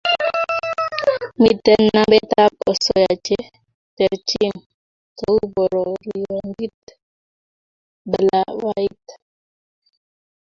Mitei nametab osoya che terchin kou pororiondit, kalabait,